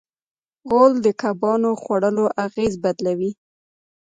غول د کبان خوړلو اغېز بدلوي.